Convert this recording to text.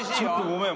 ごめん。